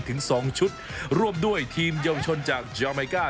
ถึง๒ชุดร่วมด้วยทีมเยาวชนจากยาไมก้า